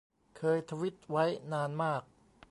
เคยทวิตไว้นานมาก